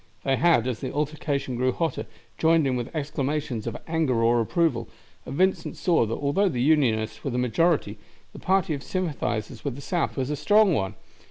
They had, as the altercation grew hotter, joined in with exclamations of anger or approval, and Vincent saw that although the Unionists were the majority the party of sympathizers with the South was a strong one.